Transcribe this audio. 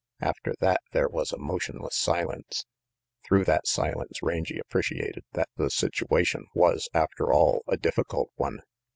After that there was a motionless silence. Through that silence Rangy appreciated that the situation was, ajfter all, a difficult one.